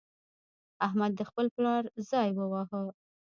احمد د خپل پلار ځای وواهه.